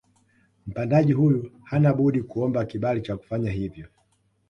Mpandaji huyu hana budi kuomba kibali cha kufanya hivyo